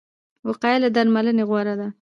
وقایه له درملنې غوره ده